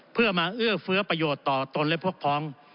เพื่อมาเอื้อเฟื้อประโยชน์ต่อตนและพวกพ้อง